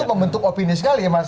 dan itu membentuk opini sekali ya mas